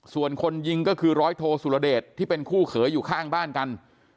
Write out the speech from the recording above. ส่วนคนยิงก็คือร้อยโทสุรเดชที่เป็นคู่เขยอยู่ข้างบ้านกัน